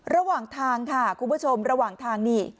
ระหว่างทางค่ะคุณผู้ชมระหว่างทางนี่